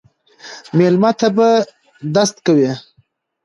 ميلمه ته به ست کوئ